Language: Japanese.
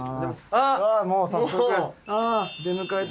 あっもう早速。